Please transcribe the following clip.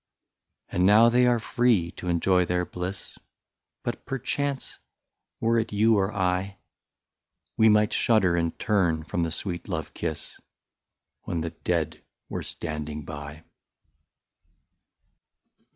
And now they are free to enjoy their bliss, — But, perchance, were it you or I, We might shudder and turn from the sweet love kiss. When the dead were standing by.